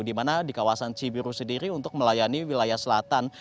dimana di kawasan cibiru sendiri untuk melayani wilayah selatan